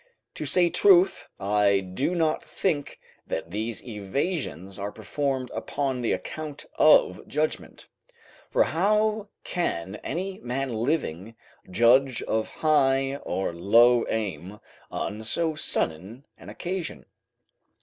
To say truth, I do not think that these evasions are performed upon the account of judgment; for how can any man living judge of high or low aim on so sudden an occasion?